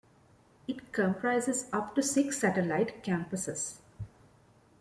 It comprises up to six satellite campuses.